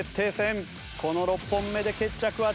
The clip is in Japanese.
この６本目で決着はつくのか？